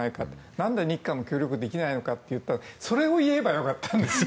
何で日韓は協力できないのかとそれを言えばよかったんですよ。